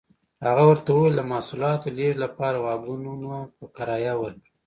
هغه ورته وویل د محصولاتو لېږد لپاره واګونونه په کرایه ورکړي.